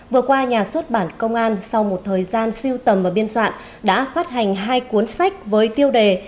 vừa qua nhà xuất bản công an sau một thời gian siêu tầm và biên soạn đã phát hành hai cuốn sách với tiêu đề